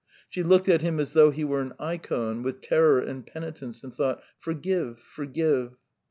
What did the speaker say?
She looked at him as though he were an ikon, with terror and penitence, and thought: "Forgive, forgive."